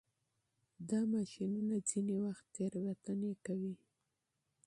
دا ماشینونه ځینې وخت تېروتنه کوي.